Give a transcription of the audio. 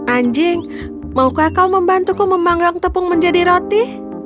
anjing maukah kau membantuku memanggang tepung menjadi roti